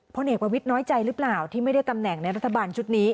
เอกประวิทย์น้อยใจหรือเปล่าที่ไม่ได้ตำแหน่งในรัฐบาลชุดนี้